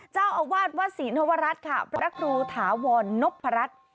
เจ้าอาวาสวัดศรีธวรัฐค่ะพระครูถาวรนพรัช